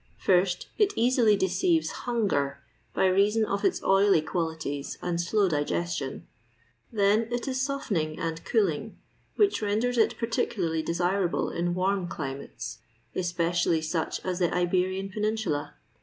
First, it easily deceives hunger by reason of its oily qualities and slow digestion; then it is softening and cooling, which renders it particularly desirable in warm climates, especially such as the Iberian peninsula.